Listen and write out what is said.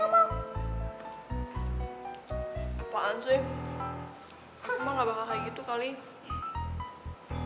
emang gak bakal kena kena